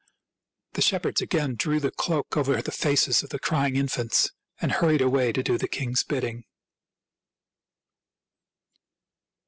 The shepherds again drew the cloak over the faces of the crying infants, and hurried away to do the king's bidding.